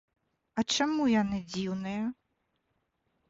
А чаму яны дзіўныя?